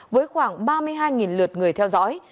với khoảng ba mươi hai lượt người theo dõi